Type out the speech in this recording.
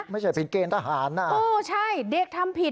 ไม่ใช่เป็นเกณฑ์ทหารน่ะเออใช่เด็กทำผิด